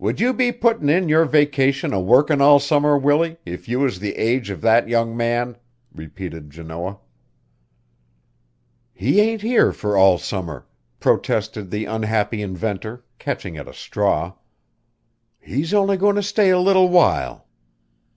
"Would you be puttin' in your vacation a workin' all summer, Willie, if you was the age of that young man?" repeated Janoah. "He ain't here for all summer," protested the unhappy inventor, catching at a straw. "He's only goin' to stay a little while."